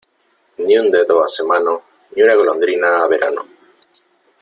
Ni un dedo hace mano, ni una golondrina verano.